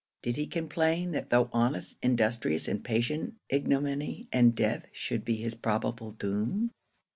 Did he complain that though honest, industrious, and patient, ignominy and death should be his probable doom?